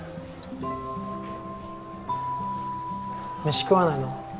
飯食わないの？